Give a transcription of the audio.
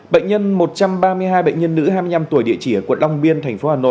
bệnh nhân một trăm ba mươi hai bệnh nhân nữ hai mươi năm tuổi địa chỉ ở quận long biên tp hà nội